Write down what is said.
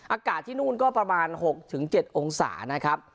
อากาศที่นู่นก็ประมาณ๖๗องศานะครับ